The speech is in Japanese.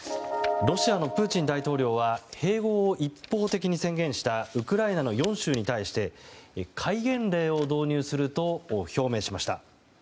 ロシアのプーチン大統領は併合を一方的に宣言したウクライナの４州に対して戒厳令を導入すると表明しました。